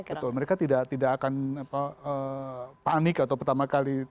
betul mereka tidak akan panik atau pertama kali